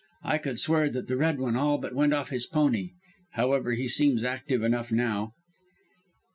I could swear that the Red One all but went off his pony. However, he seems active enough now.